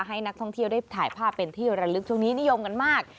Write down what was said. ให้นักท่องเที่ยวได้ถ่ายภาพเป็นที่ระลึกช่วงนี้นิยมกันมาก